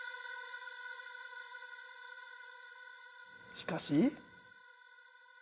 しかし？